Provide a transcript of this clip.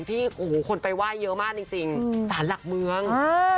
ที่โอโหคนไปไหว้เยอะมากจริงจริงศาลหลักเมืองอ่า